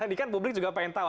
tadi kan publik juga pengen tahu